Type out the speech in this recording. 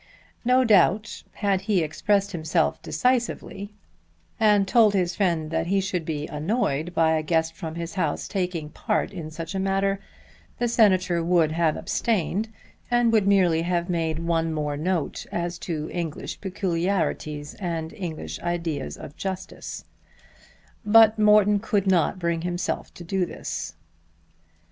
No doubt had he expressed himself decisively and told his friend that he should be annoyed by a guest from his house taking part in such a matter, the Senator would have abstained and would merely have made one more note as to English peculiarities and English ideas of justice; but Morton could not bring himself to do this.